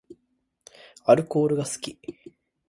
アルコールが好き